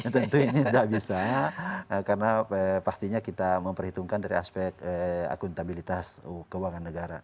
tentu ini tidak bisa karena pastinya kita memperhitungkan dari aspek akuntabilitas keuangan negara